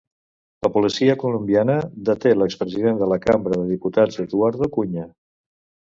La Policia colombiana deté l'expresident de la Cambra de Diputats Eduardo Cunha.